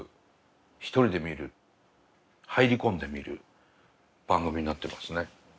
一人で見る入り込んで見る番組になってますね。